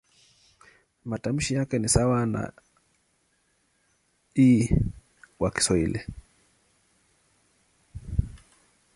Matamshi yake ni sawa na "i" kwa Kiswahili.